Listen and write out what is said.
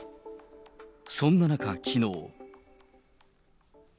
そんな中、きのう。